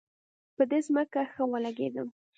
په ده ځکه ښه ولګېدم.